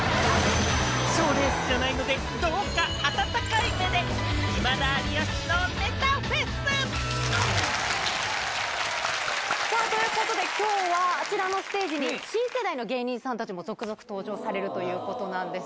賞レースじゃないので、どうか温かい目で、今田・有吉のネタフェさあ、ということで、きょうはあちらのステージに、新世代の芸人さんたちも続々登場されるということなんです。